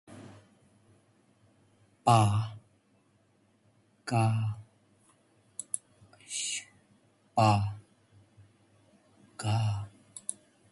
Uddhav Thackeray is Current Minister of Information and Public Relations.